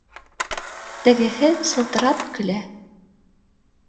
Тегеһе сылтырап көлә: